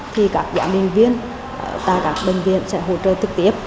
thì các giám đình viên và các bệnh viện sẽ hỗ trợ trực tiếp